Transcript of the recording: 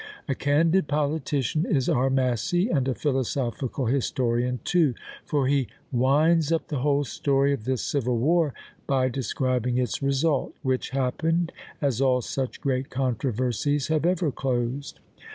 A candid politician is our Massey, and a philosophical historian too; for he winds up the whole story of this civil war by describing its result, which happened as all such great controversies have ever closed.